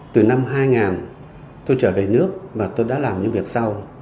từ năm hai nghìn tôi trở về nước và tôi đã làm những việc sau